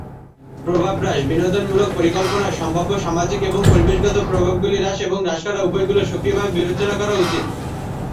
প্রভাব হ্রাস: বিনোদনমূলক পরিকল্পনার সম্ভাব্য সামাজিক এবং পরিবেশগত প্রভাবগুলি হ্রাস এবং হ্রাস করার উপায়গুলি সক্রিয়ভাবে বিবেচনা করা উচিত।